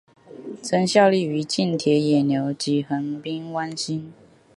曾效力于近铁野牛及横滨湾星。